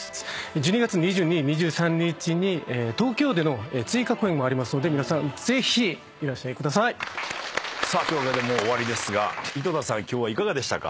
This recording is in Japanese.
１２月２２・２３日に東京での追加公演もありますので皆さんぜひいらしてください。というわけでもう終わりですが井戸田さんいかがでしたか？